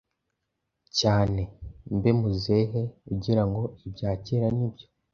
cyane. “Mbe muzehe, ugira ngo ibya kera ni byo